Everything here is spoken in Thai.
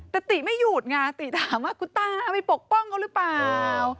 แต่ติไม่หยุดไงติถามว่าคุณตาไปปกป้องเขาหรือเปล่า